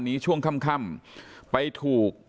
ช่วงค่ำไปถูก